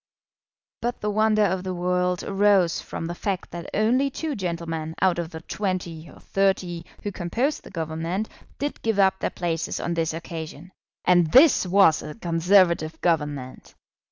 But the wonder of the world arose from the fact that only two gentlemen out of the twenty or thirty who composed the Government did give up their places on this occasion. And this was a Conservative Government!